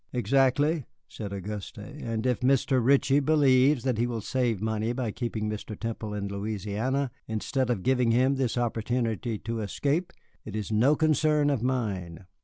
"Exactly," said Auguste, "and if Mr. Ritchie believes that he will save money by keeping Mr. Temple in Louisiana instead of giving him this opportunity to escape, it is no concern of mine."